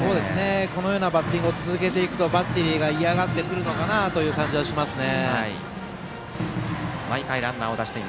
このようなバッティングを続けていくとバッテリーが嫌がってくるのかなという感じですね。